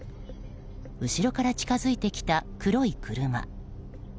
後ろから近付いてきた黒い車。